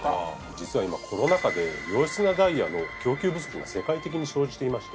実は今コロナ禍で良質なダイヤの供給不足が世界的に生じていまして。